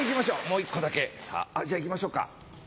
もう１個だけさぁじゃ行きましょうか。